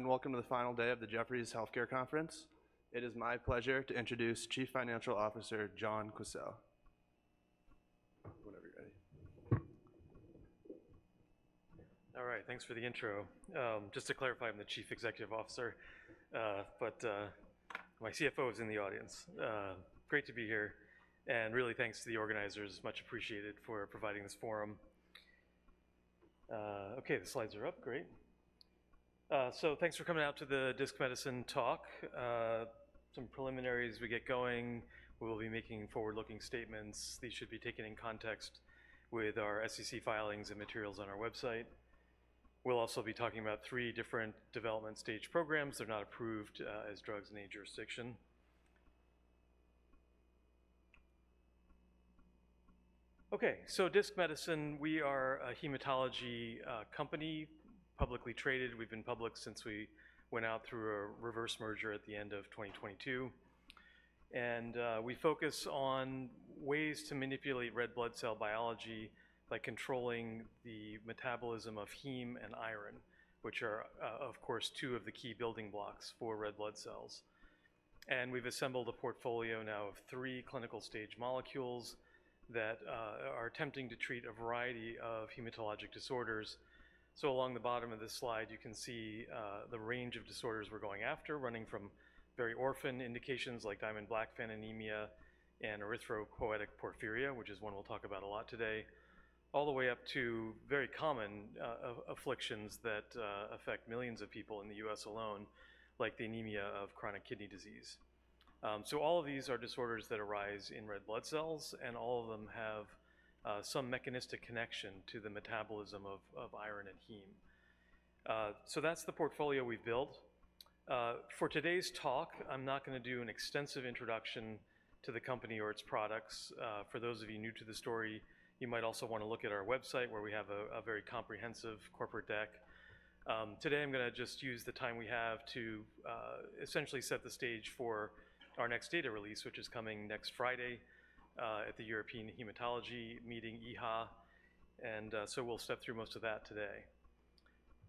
Welcome to the final day of the Jefferies Healthcare Conference. It is my pleasure to introduce Chief Financial Officer, John Quisel. Whenever you're ready. All right, thanks for the intro. Just to clarify, I'm the Chief Executive Officer, but my CFO is in the audience. Great to be here, and really thanks to the organizers, much appreciated for providing this forum. Okay, the slides are up, great. So thanks for coming out to the Disc Medicine talk. Some preliminaries we get going. We will be making forward-looking statements. These should be taken in context with our SEC filings and materials on our website. We'll also be talking about three different development stage programs. They're not approved as drugs in any jurisdiction. Okay, so Disc Medicine, we are a hematology company, publicly traded. We've been public since we went out through a reverse merger at the end of 2022. And, we focus on ways to manipulate red blood cell biology by controlling the metabolism of heme and iron, which are of course, two of the key building blocks for red blood cells. And we've assembled a portfolio now of three clinical stage molecules that are attempting to treat a variety of hematologic disorders. So along the bottom of this slide, you can see the range of disorders we're going after, running from very orphan indications like Diamond-Blackfan anemia and erythropoietic porphyria, which is one we'll talk about a lot today, all the way up to very common afflictions that affect millions of people in the U.S. alone, like the anemia of chronic kidney disease. So all of these are disorders that arise in red blood cells, and all of them have some mechanistic connection to the metabolism of iron and heme. So that's the portfolio we've built. For today's talk, I'm not gonna do an extensive introduction to the company or its products. For those of you new to the story, you might also want to look at our website, where we have a very comprehensive corporate deck. Today I'm gonna just use the time we have to essentially set the stage for our next data release, which is coming next Friday at the European Hematology meeting, EHA, and so we'll step through most of that today.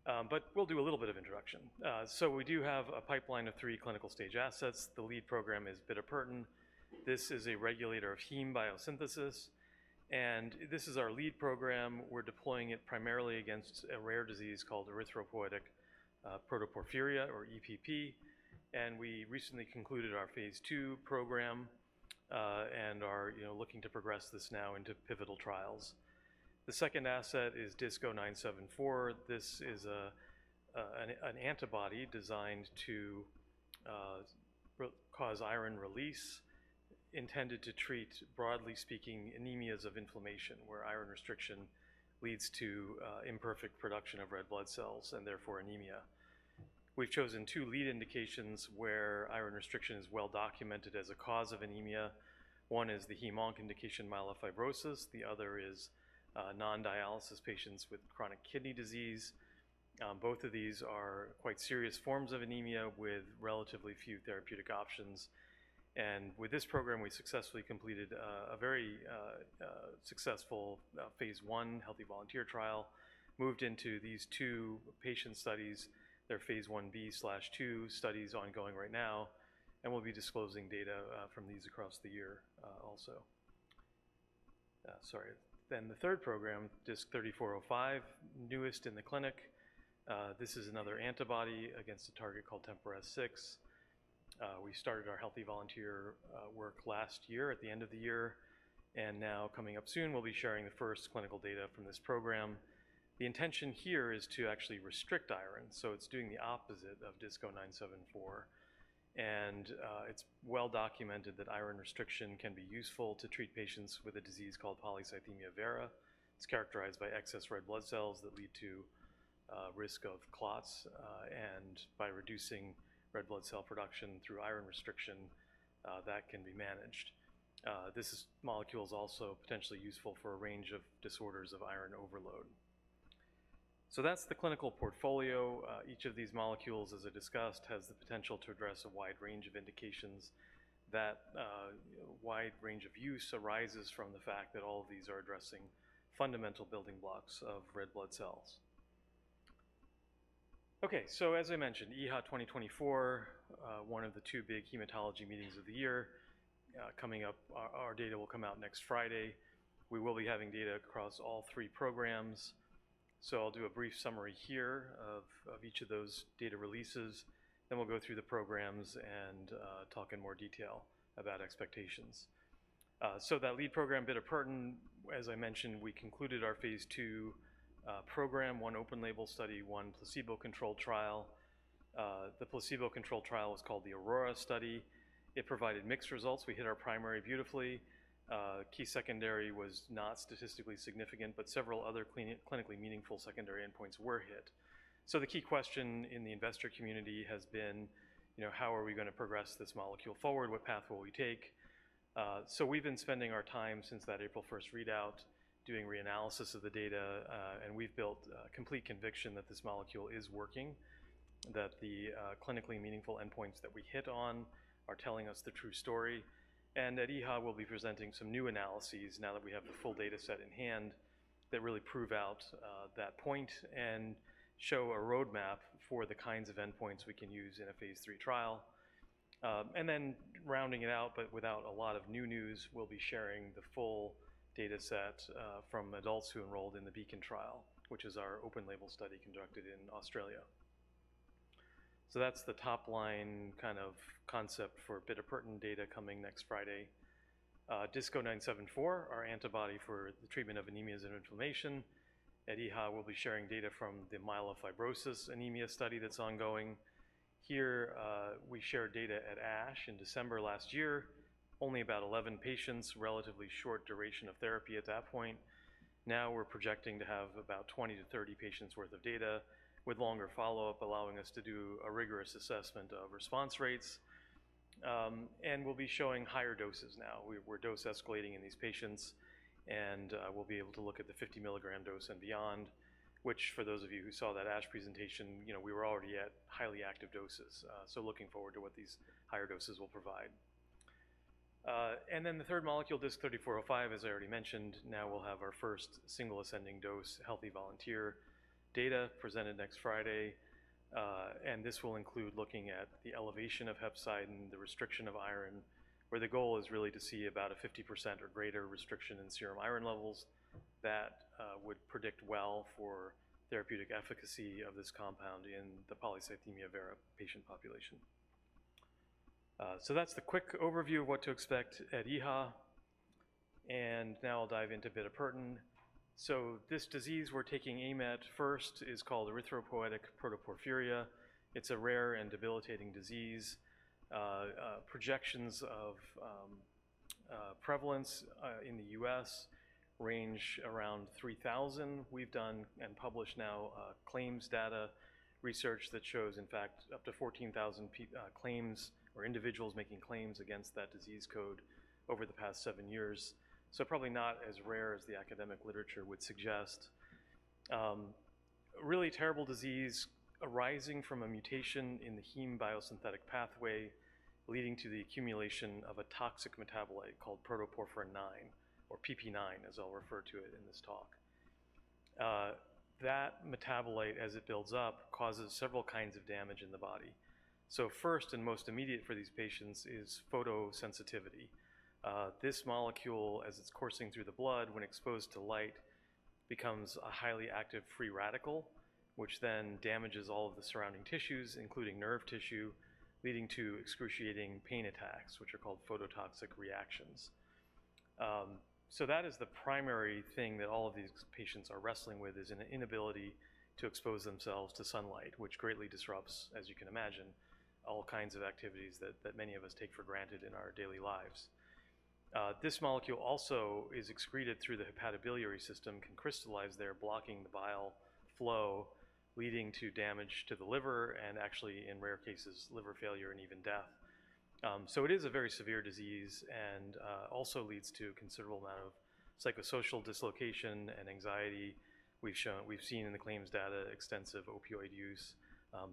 But we'll do a little bit of introduction. So we do have a pipeline of three clinical stage assets. The lead program is bitopertin. This is a regulator of heme biosynthesis, and this is our lead program. We're deploying it primarily against a rare disease called erythropoietic protoporphyria or EPP, and we recently concluded our phase two program, and are, you know, looking to progress this now into pivotal trials. The second asset is DISC-0974. This is a an antibody designed to cause iron release, intended to treat, broadly speaking, anemias of inflammation, where iron restriction leads to imperfect production of red blood cells, and therefore anemia. We've chosen two lead indications where iron restriction is well documented as a cause of anemia. One is the hematologic indication, myelofibrosis, the other is non-dialysis patients with chronic kidney disease. Both of these are quite serious forms of anemia with relatively few therapeutic options, and with this program, we successfully completed a very successful phase one healthy volunteer trial, moved into these two patient studies. They're phase 1b/2 studies ongoing right now, and we'll be disclosing data from these across the year, also. Sorry. Then the third program, DISC-3405, newest in the clinic. This is another antibody against a target called TMPRSS6. We started our healthy volunteer work last year at the end of the year, and now coming up soon, we'll be sharing the first clinical data from this program. The intention here is to actually restrict iron, so it's doing the opposite of DISC-0974, and it's well documented that iron restriction can be useful to treat patients with a disease called polycythemia vera. It's characterized by excess red blood cells that lead to risk of clots, and by reducing red blood cell production through iron restriction, that can be managed. This molecule is also potentially useful for a range of disorders of iron overload. So that's the clinical portfolio. Each of these molecules, as I discussed, has the potential to address a wide range of indications. That wide range of use arises from the fact that all of these are addressing fundamental building blocks of red blood cells. Okay, so as I mentioned, EHA 2024, one of the two big hematology meetings of the year, coming up. Our data will come out next Friday. We will be having data across all three programs, so I'll do a brief summary here of each of those data releases, then we'll go through the programs and talk in more detail about expectations. So that lead program, bitopertin, as I mentioned, we concluded our phase two program, one open label study, one placebo-controlled trial. The placebo-controlled trial was called the AURORA study. It provided mixed results. We hit our primary beautifully. Key secondary was not statistically significant, but several other clinically meaningful secondary endpoints were hit. So the key question in the investor community has been, you know, how are we gonna progress this molecule forward? What path will we take? So we've been spending our time since that April first readout, doing reanalysis of the data, and we've built complete conviction that this molecule is working, that the clinically meaningful endpoints that we hit on are telling us the true story, and at EHA, we'll be presenting some new analyses now that we have the full data set in hand... that really prove out that point and show a roadmap for the kinds of endpoints we can use in a phase III trial. And then rounding it out, but without a lot of new news, we'll be sharing the full dataset from adults who enrolled in the BEACON trial, which is our open-label study conducted in Australia. So that's the top line kind of concept for bitopertin data coming next Friday. DISC-0974, our antibody for the treatment of anemias and inflammation. At EHA, we'll be sharing data from the myelofibrosis anemia study that's ongoing. Here, we shared data at ASH in December last year, only about 11 patients, relatively short duration of therapy at that point. Now we're projecting to have about 20-30 patients worth of data with longer follow-up, allowing us to do a rigorous assessment of response rates. And we'll be showing higher doses now. We're dose escalating in these patients, and we'll be able to look at the 50-milligram dose and beyond, which for those of you who saw that ASH presentation, you know, we were already at highly active doses. So looking forward to what these higher doses will provide. And then the third molecule, DISC-3405, as I already mentioned, now we'll have our first single ascending dose, healthy volunteer data presented next Friday. And this will include looking at the elevation of hepcidin, the restriction of iron, where the goal is really to see about a 50% or greater restriction in serum iron levels that would predict well for therapeutic efficacy of this compound in the polycythemia vera patient population. So that's the quick overview of what to expect at EHA, and now I'll dive into bitopertin. So this disease we're taking aim at first is called erythropoietic protoporphyria. It's a rare and debilitating disease. Projections of prevalence in the U.S. range around 3,000. We've done and published now claims data research that shows, in fact, up to 14,000 claims or individuals making claims against that disease code over the past seven years, so probably not as rare as the academic literature would suggest. A really terrible disease arising from a mutation in the heme biosynthetic pathway, leading to the accumulation of a toxic metabolite called protoporphyrin IX, or PPIX, as I'll refer to it in this talk. That metabolite, as it builds up, causes several kinds of damage in the body. So first and most immediate for these patients is photosensitivity. This molecule, as it's coursing through the blood, when exposed to light, becomes a highly active free radical, which then damages all of the surrounding tissues, including nerve tissue, leading to excruciating pain attacks, which are called phototoxic reactions. So that is the primary thing that all of these patients are wrestling with, is an inability to expose themselves to sunlight, which greatly disrupts, as you can imagine, all kinds of activities that many of us take for granted in our daily lives. This molecule also is excreted through the hepatobiliary system, can crystallize there, blocking the bile flow, leading to damage to the liver, and actually, in rare cases, liver failure and even death. So it is a very severe disease and also leads to a considerable amount of psychosocial dislocation and anxiety. We've seen in the claims data extensive opioid use,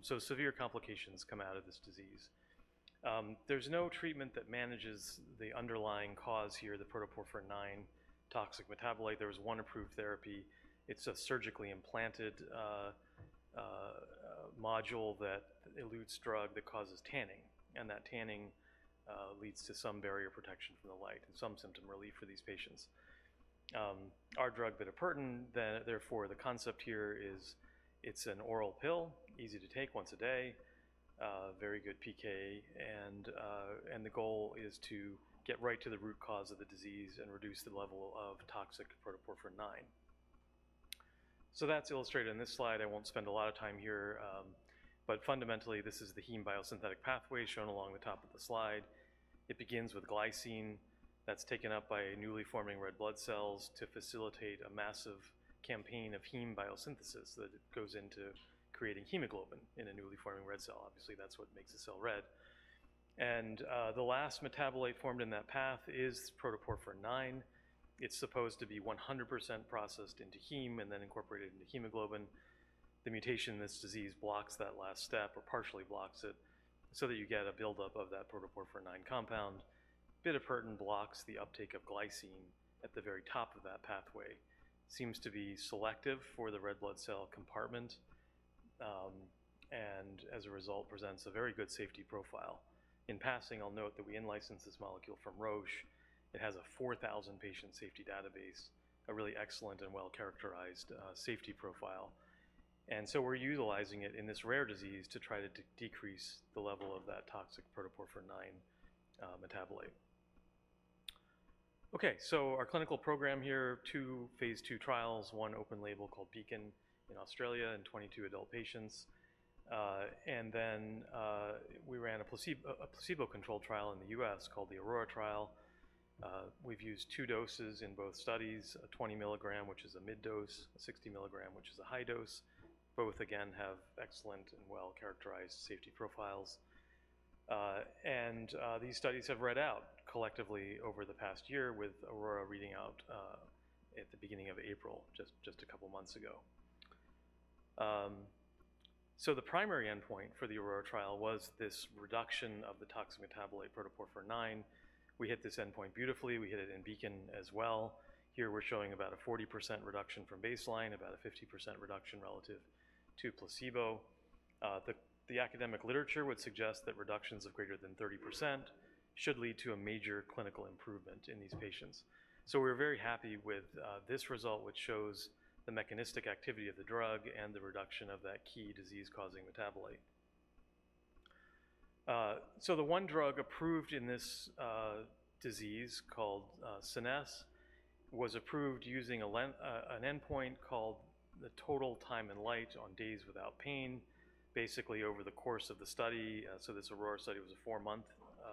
so severe complications come out of this disease. There's no treatment that manages the underlying cause here, the protoporphyrin IX toxic metabolite. There is one approved therapy. It's a surgically implanted module that elutes drug that causes tanning, and that tanning leads to some barrier protection from the light and some symptom relief for these patients. Our drug, bitopertin, therefore, the concept here is it's an oral pill, easy to take once a day, very good PK, and the goal is to get right to the root cause of the disease and reduce the level of toxic protoporphyrin IX. So that's illustrated in this slide. I won't spend a lot of time here, but fundamentally, this is the heme biosynthetic pathway shown along the top of the slide. It begins with glycine that's taken up by newly forming red blood cells to facilitate a massive campaign of heme biosynthesis that goes into creating hemoglobin in a newly forming red cell. Obviously, that's what makes the cell red. And the last metabolite formed in that path is protoporphyrin IX. It's supposed to be 100% processed into heme and then incorporated into hemoglobin. The mutation in this disease blocks that last step, or partially blocks it, so that you get a buildup of that protoporphyrin IX compound. Bitopertin blocks the uptake of glycine at the very top of that pathway. Seems to be selective for the red blood cell compartment, and as a result, presents a very good safety profile. In passing, I'll note that we in-licensed this molecule from Roche. It has a 4,000-patient safety database, a really excellent and well-characterized safety profile. And so we're utilizing it in this rare disease to try to decrease the level of that toxic protoporphyrin IX metabolite. Okay, so our clinical program here, two Phase two trials, one open label called BEACON in Australia in 22 adult patients. And then, we ran a placebo-controlled trial in the US called the AURORA trial. We've used two doses in both studies, a 20 milligram, which is a mid dose, a 60 milligram, which is a high dose. Both, again, have excellent and well-characterized safety profiles. These studies have read out collectively over the past year, with AURORA reading out at the beginning of April, just a couple of months ago. So the primary endpoint for the AURORA trial was this reduction of the toxic metabolite protoporphyrin IX. We hit this endpoint beautifully. We hit it in BEACON as well. Here, we're showing about a 40% reduction from baseline, about a 50% reduction relative to placebo. The academic literature would suggest that reductions of greater than 30% should lead to a major clinical improvement in these patients. So we're very happy with this result, which shows the mechanistic activity of the drug and the reduction of that key disease-causing metabolite. So the one drug approved in this disease, called Scenesse, was approved using an endpoint called the total time in light on days without pain, basically over the course of the study. So this AURORA study was a four-month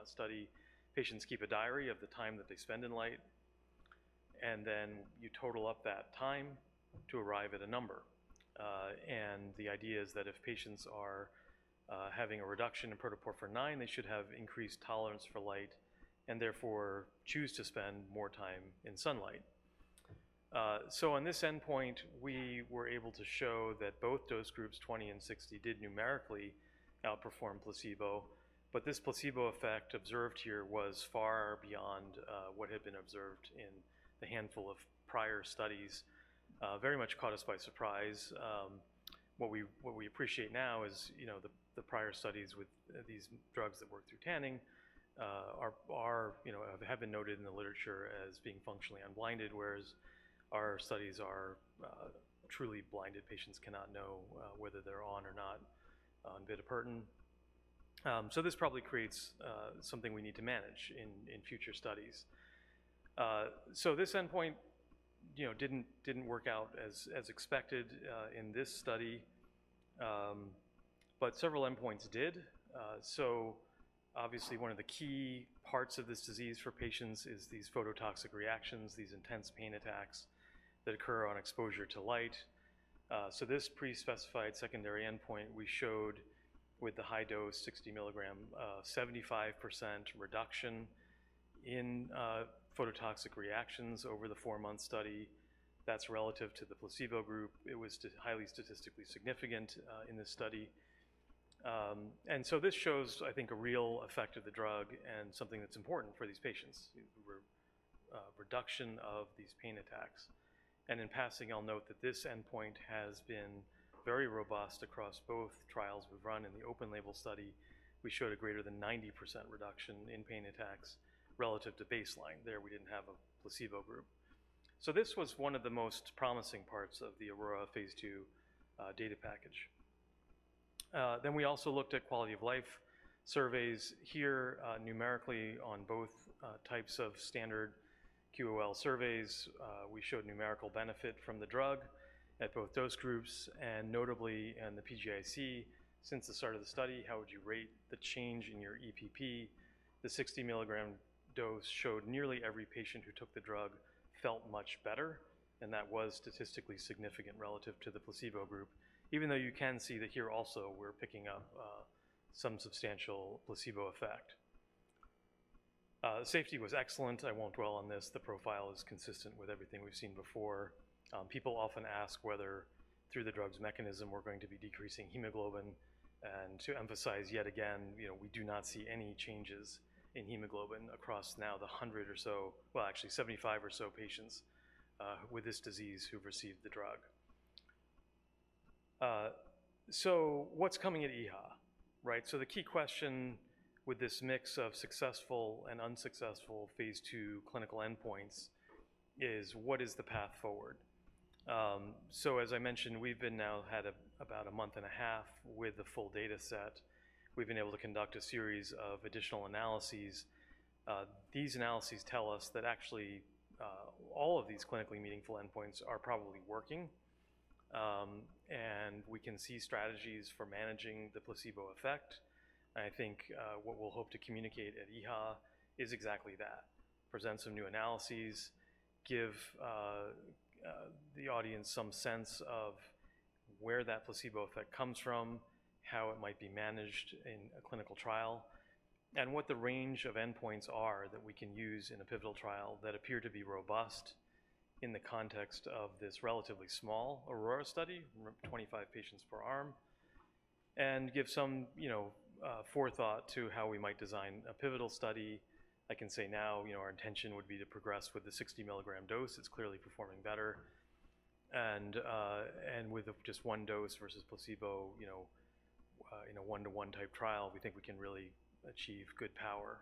study. Patients keep a diary of the time that they spend in light, and then you total up that time to arrive at a number. And the idea is that if patients are having a reduction in protoporphyrin IX, they should have increased tolerance for light and therefore choose to spend more time in sunlight. So on this endpoint, we were able to show that both dose groups, 20 and 60, did numerically outperform placebo. But this placebo effect observed here was far beyond what had been observed in the handful of prior studies. Very much caught us by surprise. What we appreciate now is, you know, the prior studies with these drugs that work through tanning are, you know, have been noted in the literature as being functionally unblinded, whereas our studies are truly blinded. Patients cannot know whether they're on or not on bitopertin. So this probably creates something we need to manage in future studies. So this endpoint, you know, didn't work out as expected in this study, but several endpoints did. So obviously, one of the key parts of this disease for patients is these phototoxic reactions, these intense pain attacks that occur on exposure to light. So this pre-specified secondary endpoint, we showed with the high-dose 60 milligram, 75% reduction in phototoxic reactions over the four-month study. That's relative to the placebo group. It was highly statistically significant in this study. And so this shows, I think, a real effect of the drug and something that's important for these patients, reduction of these pain attacks. And in passing, I'll note that this endpoint has been very robust across both trials we've run. In the open label study, we showed a greater than 90% reduction in pain attacks relative to baseline. There, we didn't have a placebo group. So this was one of the most promising parts of the AURORA Phase II data package. Then we also looked at quality of life surveys. Here, numerically on both types of standard QOL surveys, we showed numerical benefit from the drug at both dose groups and notably in the PGIC. "Since the start of the study, how would you rate the change in your EPP?" The 60 milligram dose showed nearly every patient who took the drug felt much better, and that was statistically significant relative to the placebo group, even though you can see that here also, we're picking up some substantial placebo effect. Safety was excellent. I won't dwell on this. The profile is consistent with everything we've seen before. People often ask whether through the drug's mechanism, we're going to be decreasing hemoglobin. And to emphasize yet again, you know, we do not see any changes in hemoglobin across now the 100 or so... Well, actually 75 or so patients with this disease who've received the drug. So what's coming at EHA, right? So the key question with this mix of successful and unsuccessful phase two clinical endpoints is: what is the path forward? So as I mentioned, we've now had about a month and a half with the full data set. We've been able to conduct a series of additional analyses. These analyses tell us that actually, all of these clinically meaningful endpoints are probably working, and we can see strategies for managing the placebo effect. And I think, what we'll hope to communicate at EHA is exactly that. Present some new analyses, give the audience some sense of where that placebo effect comes from, how it might be managed in a clinical trial, and what the range of endpoints are that we can use in a pivotal trial that appear to be robust in the context of this relatively small AURORA study, 25 patients per arm, and give some, you know, forethought to how we might design a pivotal study. I can say now, you know, our intention would be to progress with the 60 milligram dose. It's clearly performing better. And, and with just one dose versus placebo, you know, in a one-to-one type trial, we think we can really achieve good power,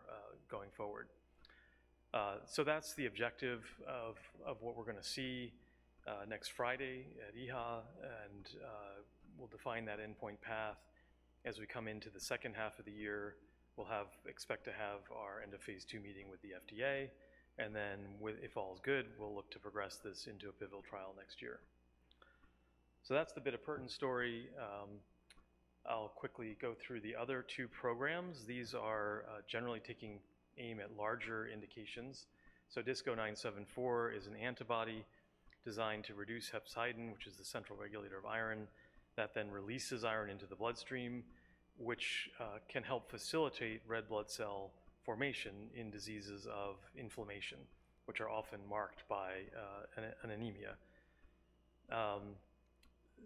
going forward. So that's the objective of, of what we're gonna see, next Friday at EHA, and, we'll define that endpoint path. As we come into the second half of the year, we expect to have our end-of-phase two meeting with the FDA, and then if all is good, we'll look to progress this into a pivotal trial next year. So that's the bitopertin story. I'll quickly go through the other two programs. These are generally taking aim at larger indications. So DISC-0974 is an antibody designed to reduce hepcidin, which is the central regulator of iron, that then releases iron into the bloodstream, which can help facilitate red blood cell formation in diseases of inflammation, which are often marked by an anemia.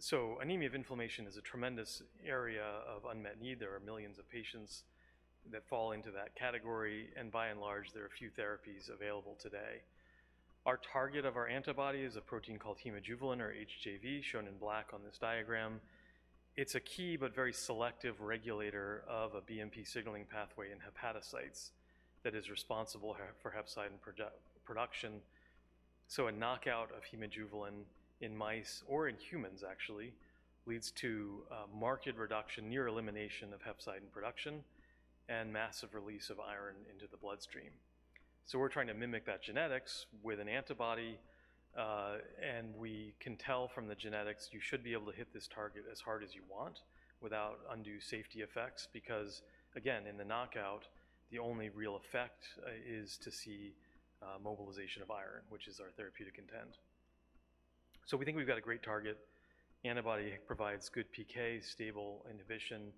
So anemia of inflammation is a tremendous area of unmet need. There are millions of patients that fall into that category, and by and large, there are few therapies available today. Our target of our antibody is a protein called hemojuvelin or HJV, shown in black on this diagram. It's a key but very selective regulator of a BMP signaling pathway in hepatocytes that is responsible for hepcidin production. So a knockout of hemojuvelin in mice or in humans, actually, leads to marked reduction, near elimination of hepcidin production and massive release of iron into the bloodstream. So we're trying to mimic that genetics with an antibody, and we can tell from the genetics, you should be able to hit this target as hard as you want without undue safety effects. Because, again, in the knockout, the only real effect is to see mobilization of iron, which is our therapeutic intent. So we think we've got a great target. Antibody provides good PK, stable inhibition.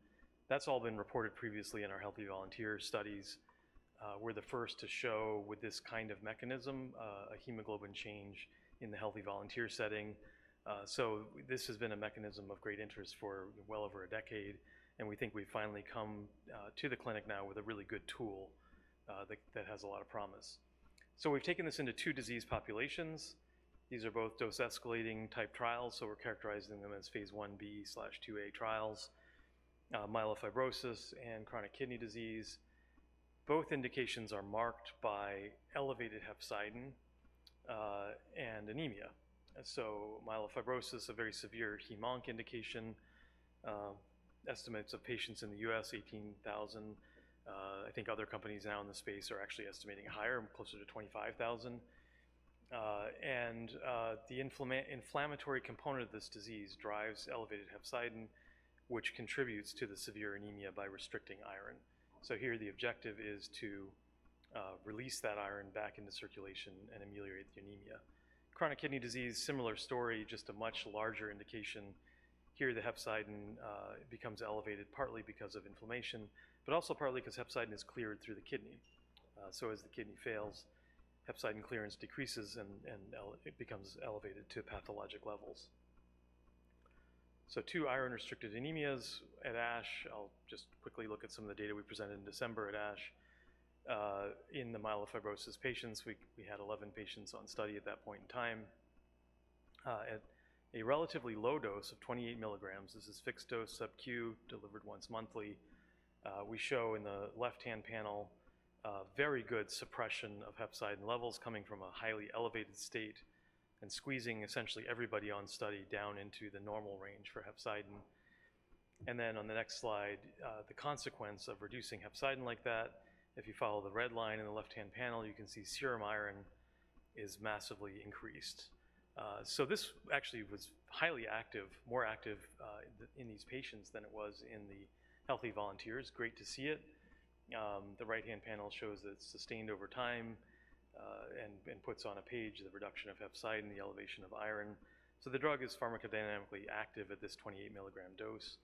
That's all been reported previously in our healthy volunteer studies. We're the first to show with this kind of mechanism, a hemoglobin change in the healthy volunteer setting. So this has been a mechanism of great interest for well over a decade, and we think we've finally come to the clinic now with a really good tool that has a lot of promise. So we've taken this into two disease populations. These are both dose-escalating type trials, so we're characterizing them as Phase Ib/IIa trials, myelofibrosis and chronic kidney disease. Both indications are marked by elevated hepcidin and anemia. So myelofibrosis, a very severe heme onc indication. Estimates of patients in the U.S., 18,000. I think other companies now in the space are actually estimating higher, closer to 25,000. The inflammatory component of this disease drives elevated hepcidin, which contributes to the severe anemia by restricting iron. So here the objective is to release that iron back into circulation and ameliorate the anemia. Chronic kidney disease, similar story, just a much larger indication. Here, the hepcidin becomes elevated partly because of inflammation, but also partly because hepcidin is cleared through the kidney. So as the kidney fails, hepcidin clearance decreases, and it becomes elevated to pathologic levels. So two iron-restricted anemias at ASH. I'll just quickly look at some of the data we presented in December at ASH. In the myelofibrosis patients, we had 11 patients on study at that point in time. At a relatively low dose of 28 milligrams, this is fixed-dose subQ, delivered once monthly, we show in the left-hand panel, a very good suppression of hepcidin levels coming from a highly elevated state and squeezing essentially everybody on study down into the normal range for hepcidin. And then on the next slide, the consequence of reducing hepcidin like that, if you follow the red line in the left-hand panel, you can see serum iron is massively increased. So this actually was highly active, more active, in these patients than it was in the healthy volunteers. Great to see it. The right-hand panel shows it's sustained over time, and puts on a page the reduction of hepcidin, the elevation of iron. So the drug is pharmacodynamically active at this 28 milligram dose.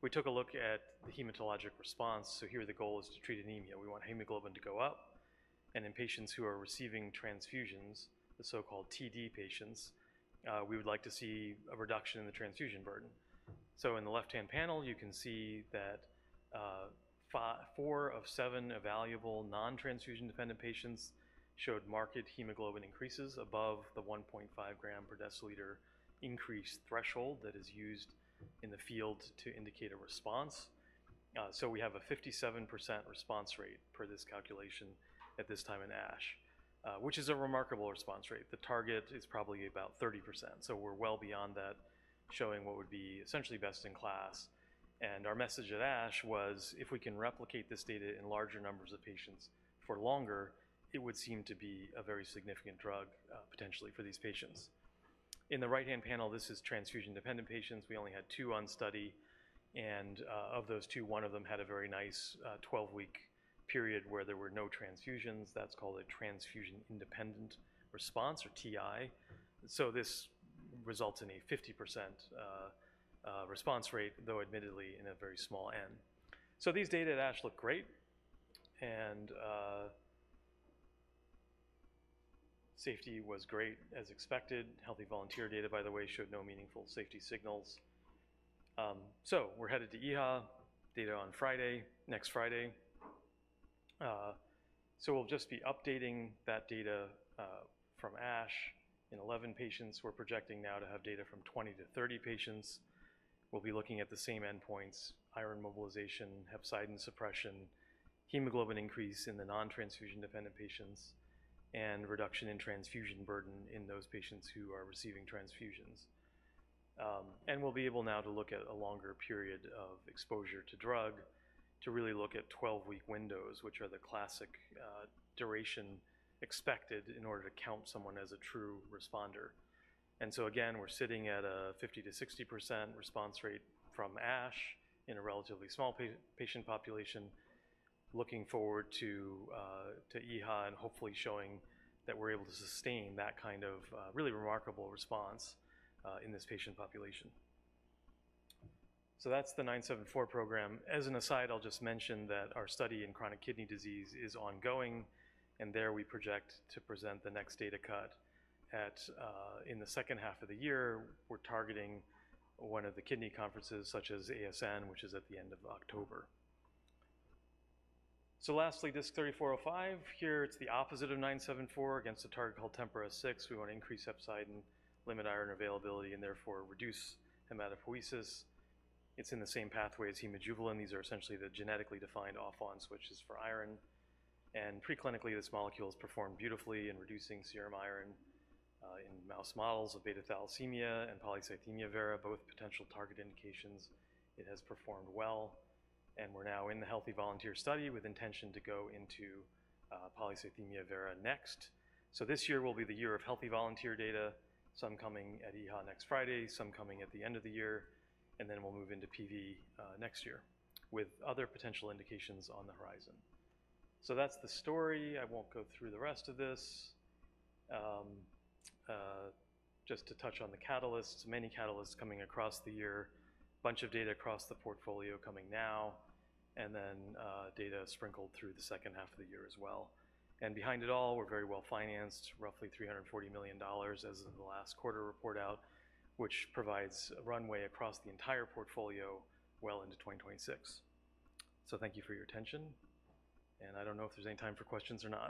We took a look at the hematologic response, so here the goal is to treat anemia. We want hemoglobin to go up, and in patients who are receiving transfusions, the so-called TD patients, we would like to see a reduction in the transfusion burden. So in the left-hand panel, you can see that, four of seven evaluable non-transfusion-dependent patients showed marked hemoglobin increases above the 1.5 gram per deciliter increased threshold that is used in the field to indicate a response. So we have a 57% response rate per this calculation at this time in ASH, which is a remarkable response rate. The target is probably about 30%. So we're well beyond that, showing what would be essentially best-in-class. Our message at ASH was, if we can replicate this data in larger numbers of patients for longer, it would seem to be a very significant drug, potentially for these patients. In the right-hand panel, this is transfusion-dependent patients. We only had two on study, and, of those two, one of them had a very nice, 12-week period where there were no transfusions. That's called a transfusion-independent response, or TI. So this results in a 50%, response rate, though admittedly in a very small N. So these data at ASH look great, and, safety was great as expected. Healthy volunteer data, by the way, showed no meaningful safety signals. We're headed to EHA, data on Friday, next Friday. We'll just be updating that data, from ASH in 11 patients. We're projecting now to have data from 20-30 patients. We'll be looking at the same endpoints: iron mobilization, hepcidin suppression, hemoglobin increase in the non-transfusion-dependent patients, and reduction in transfusion burden in those patients who are receiving transfusions. And we'll be able now to look at a longer period of exposure to drug to really look at 12-week windows, which are the classic duration expected in order to count someone as a true responder. And so again, we're sitting at a 50%-60% response rate from ASH in a relatively small patient population. Looking forward to EHA and hopefully showing that we're able to sustain that kind of really remarkable response in this patient population. So that's the 974 program. As an aside, I'll just mention that our study in chronic kidney disease is ongoing, and there we project to present the next data cut at, in the second half of the year. We're targeting one of the kidney conferences, such as ASN, which is at the end of October. So lastly, this 3405. Here, it's the opposite of 974 against a target called TMPRSS6. We want to increase hepcidin, limit iron availability, and therefore reduce hematopoiesis. It's in the same pathway as hemojuvelin. These are essentially the genetically defined off-on switches for iron. And preclinically, this molecule has performed beautifully in reducing serum iron, in mouse models of beta-thalassemia and polycythemia vera, both potential target indications. It has performed well, and we're now in the healthy volunteer study with intention to go into, polycythemia vera next. So this year will be the year of healthy volunteer data, some coming at EHA next Friday, some coming at the end of the year, and then we'll move into PV next year, with other potential indications on the horizon. So that's the story. I won't go through the rest of this. Just to touch on the catalysts, many catalysts coming across the year, bunch of data across the portfolio coming now, and then data sprinkled through the second half of the year as well. And behind it all, we're very well-financed, roughly $340 million as of the last quarter report out, which provides a runway across the entire portfolio well into 2026. So thank you for your attention, and I don't know if there's any time for questions or not?